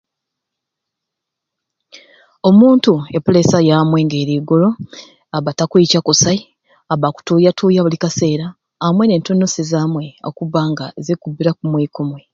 Omuntu e peleesa yamwe nga eri igulu abba takwicca kusai, abba akutuuyatuuya buli kaseera amwe n'entunusi zaamwe okubba nga zikukubbira kumwei kumwei.